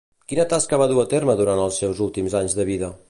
Quina tasca va dur a terme durant els seus últims anys de vida?